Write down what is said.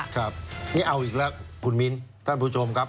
ครับนี่เอาอีกแล้วคุณมิ้นท่านผู้ชมครับ